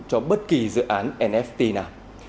cho bất kỳ dự án nft nào